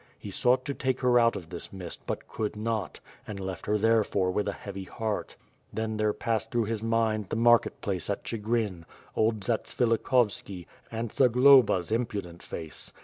He sought to take her out of this mist but could not, and left her therefore with a heavy heart. Then there passed through his mind the market place at ('higrin; old Zatsvilikhovski, and Zagloba's impudent face.